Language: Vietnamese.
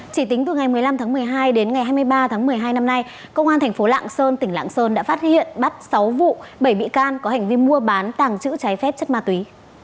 chỉ tính từ ngày một mươi năm tháng một mươi hai đến ngày hai mươi ba tháng một mươi hai năm nay công an thành phố lạng sơn tỉnh lạng sơn đã phát hiện bắt sáu vụ bảy bị can có hành vi mua bán tàng trữ trái phép chất ma túy